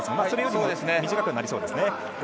それよりも短くなりそうですね。